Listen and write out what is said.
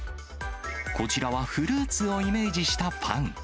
こちらはフルーツをイメージしたパン。